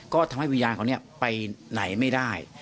ก็ทำให้วิญญาณเขาไปไหนไม่ได้